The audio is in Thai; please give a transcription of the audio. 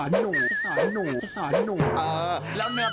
วันนี้เกี่ยวกับกองถ่ายเราจะมาอยู่กับว่าเขาเรียกว่าอะไรอ่ะนางแบบเหรอ